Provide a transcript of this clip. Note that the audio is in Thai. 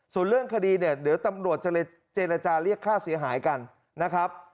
ส่วนเรื่องคดีเนี่ยเดี๋ยวตำรวจจะเลยเจรจาเรียกค่าเสียหายกันนะครับ